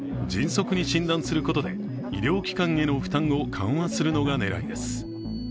迅速に診断することで、医療機関への負担を緩和するのが狙いです。